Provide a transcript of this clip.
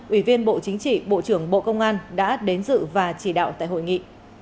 ủy viên bộ chính trị bộ trưởng bộ công an đã đến dự và chỉ đạo tại hội nghị